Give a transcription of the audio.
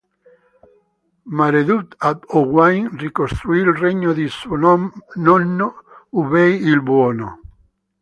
Maredudd ab Owain ricostruì il regno di suo nonno Hywel il Buono.